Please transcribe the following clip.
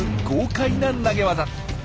豪快な投げ技。